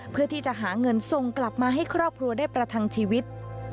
เพื่อที่จะหาเงินส่งกลับมาให้ครอบครัวได้ประทังชีวิต